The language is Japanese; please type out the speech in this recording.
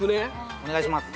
お願いします。